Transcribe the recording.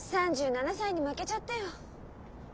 ３７歳に負けちゃったよ。